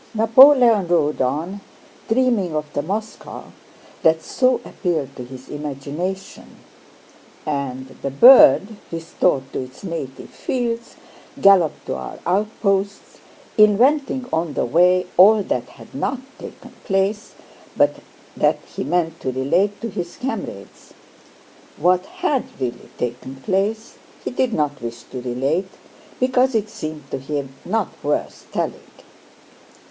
Napoleon rode on, dreaming of the Moscow that so appealed to his imagination, and "the bird restored to its native fields" galloped to our outposts, inventing on the way all that had not taken place but that he meant to relate to his comrades. What had really taken place he did not wish to relate because it seemed to him not worth telling.